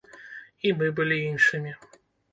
І мы былі іншымі.